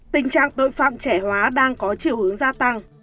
tình trạng tội phạm trẻ hóa đang có chiều hướng gia tăng